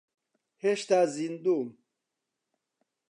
هێشتا زیندووم.